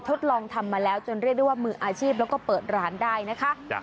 ทดลองทำมาแล้วจนเรียกได้ว่ามืออาชีพแล้วก็เปิดร้านได้นะคะ